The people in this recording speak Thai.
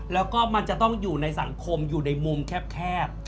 แล้วก็มันจะต้องอยู่ในสังคมอยู่ในมุมแคบ